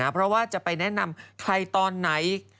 เพราะว่าจะไปแนะนำใครตอนไหน